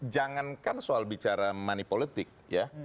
jangankan soal bicara manipolitik ya